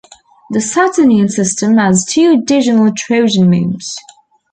The Saturnian system has two additional trojan moons.